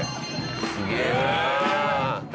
すげえな！